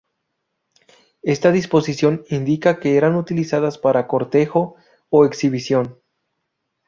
Esta disposición indica que eran utilizadas para cortejo o exhibición.